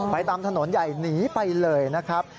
ไปตามถนนใหญ่หนีไปเลยนะครับ